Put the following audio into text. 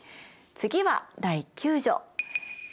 次は第９条。